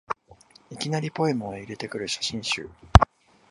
いきなりポエムを入れてくる写真集